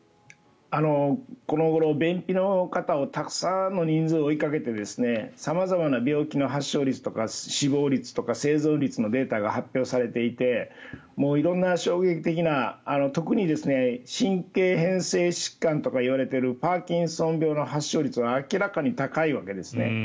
この頃、便秘の方をたくさんの人数を追いかけて様々な病気の発症率とか死亡率とか生存率のデータが発表されていてもう色んな衝撃的な、特に神経変性疾患とか言われているパーキンソン病の発症率が明らかに高いわけですね。